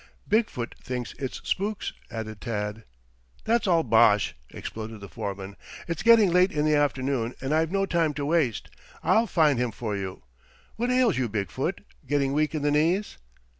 "Big foot thinks it's spooks," added Tad. "That's all bosh," exploded the foreman. "It's getting late in the afternoon, and I've no time to waste. I'll find him for you. What ails you, Big foot? Getting weak in the knees?"